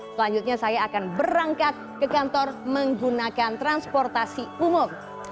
selanjutnya saya akan berangkat ke kantor menggunakan transportasi umum